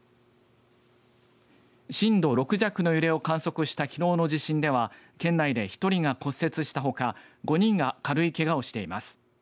震度６弱の揺れを観測したきのうの地震では県内で１人が骨折したほか５人が軽いけがをしています。